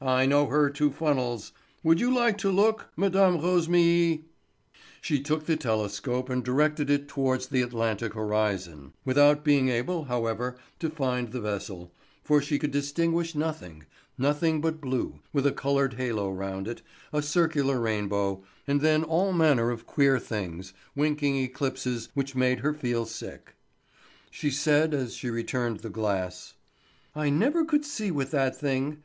I know her two funnels. Would you like to look, Mme. Rosémilly?" She took the telescope and directed it towards the Atlantic horizon, without being able, however, to find the vessel, for she could distinguish nothing—nothing but blue, with a coloured halo round it, a circular rainbow—and then all manner of queer things, winking eclipses which made her feel sick. She said as she returned the glass: "I never could see with that thing.